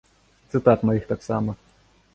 І цытат маіх таксама.